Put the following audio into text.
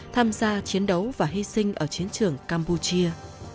tham gia chiến đấu và hy sinh ở chiến trường campuchia